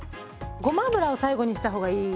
ごま油を最後にした方がいい。